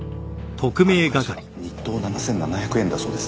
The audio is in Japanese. あの会社日当７７００円だそうです。